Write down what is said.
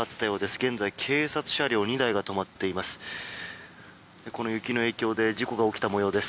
現在、警察車両２台が止まっています。